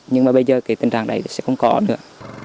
nhưng bây giờ tình trạng này sẽ không có nữa